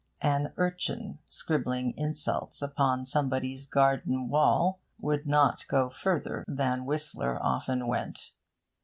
An urchin scribbling insults upon somebody's garden wall would not go further than Whistler often went.